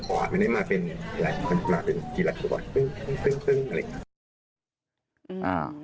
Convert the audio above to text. คือวันซึ่งอาฮะ